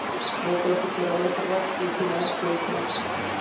موږ باید د کورنۍ ترمنځ اعتماد جوړ کړو